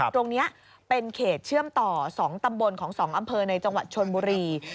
ตรงนี้เป็นเขตเชื่อมต่อ๒ตำบลของ๒อำเภอในจังหวัดชนบุรี